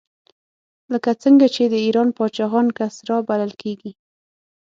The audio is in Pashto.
لکه څنګه چې د ایران پاچاهان کسرا بلل کېدل.